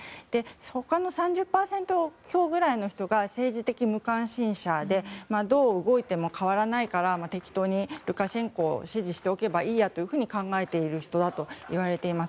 他の３０％くらい強が政治的無関心者でどう動いても変わらないから適当にルカシェンコを支持しておけばいいやと考えているといわれています。